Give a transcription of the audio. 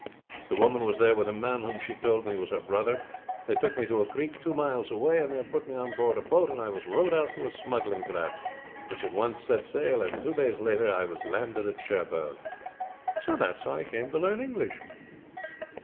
The woman was there with a man, whom she told me was her brother. They took me to a creek two miles away and there put me on board a boat, and I was rowed out to a smuggling craft which at once set sail, and two days later was landed at Cherbourg. So that's how I came to learn English."